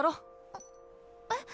あっえっ？